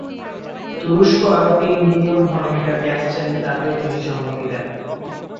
তুরস্ক আরও তিন বিলিয়ন ঘনমিটার গ্যাস চাইলে তাতেও তিনি সম্মতি দেন।